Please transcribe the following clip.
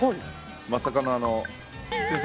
まさかの先生